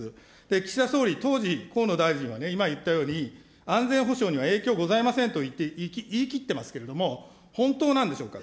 岸田総理、当時、河野大臣は今言ったように、安全保障には影響がございませんと、言いきってますけれども、本当なんでしょうか。